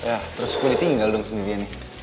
ya terus gue ditinggal dong sendirian